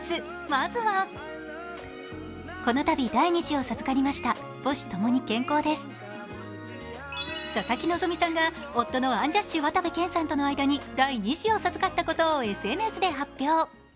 まずは佐々木希さんが夫のアンジャッシュ・渡部建さんとの間に第２子を授かったことをＳＮＳで発表。